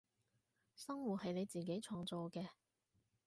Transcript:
生活係你自己創造嘅